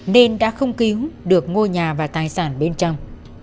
nên đã không cứu được ngôi nhà và tài sản bên trong